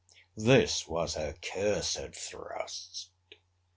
This was a cursed thrust!